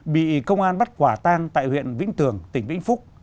bị công an bắt quả tang tại huyện vĩnh tường tỉnh vĩnh phúc